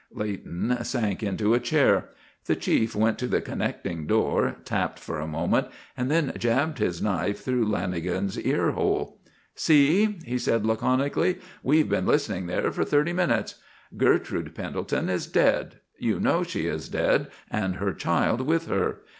Leighton sank into a chair. The Chief went to the connecting door, tapped for a moment, and then jabbed his knife through Lanagan's ear hole. "See?" he said, laconically. "We've been listening there for thirty minutes. Gertrude Pendelton is dead; you know she is dead and her child with her.